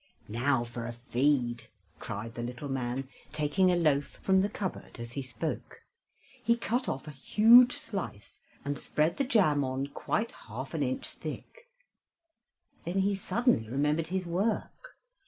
"Now for a feed!" cried the little man, taking a loaf from the cupboard as he spoke. He cut off a huge slice, and spread the jam on quite half an inch thick; then he suddenly remembered his work.